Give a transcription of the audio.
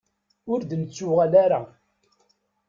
Ur d-nettuɣal ara.